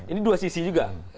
ini dua sisi juga